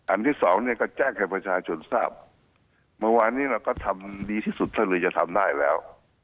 ที่สองเนี่ยก็แจ้งให้ประชาชนทราบเมื่อวานนี้เราก็ทำดีที่สุดถ้าเรือจะทำได้แล้ว